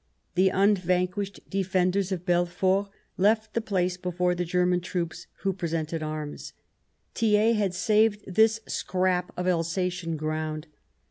The unvanquished defenders of Belfort left the place before the German troops, who presented arms. Thiers had saved this scrap of Alsatian ground.